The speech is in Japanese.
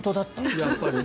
やっぱりね。